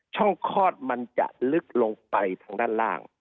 ช่องคลอดมันจะลึกลงไปทางด้านล่าง